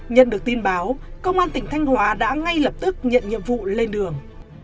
nhận được tin báo công an tỉnh thanh hóa đã ngay lập tức nhận nhiệm vụ lên đường